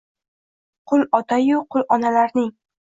Qul ota-yu, qul onalarning